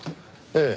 ええ。